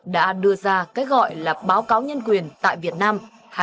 đã đưa ra cái gọi là báo cáo nhân quyền tại việt nam hai nghìn hai mươi hai hai nghìn hai mươi ba